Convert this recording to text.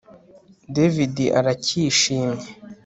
David aracyishimye